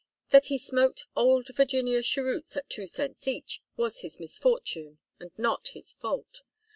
That he smoked 'Old Virginia Cheroots' at two cents each, was his misfortune and not his fault.